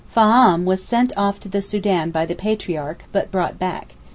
Faam was sent off to the Soudan by the Patriarch, but brought back.